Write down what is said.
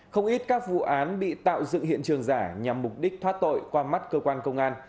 không ít các vụ án bị tạo dựng hiện trường giả nhằm mục đích thoát tội qua mắt cơ quan công an